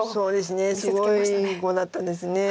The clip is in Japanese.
すごい碁だったですね。